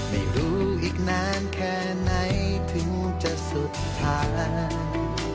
ไม่รู้อีกนานแค่ไหนถึงจะสุดท้าย